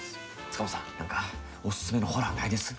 塚本さん何かおすすめのホラーないです？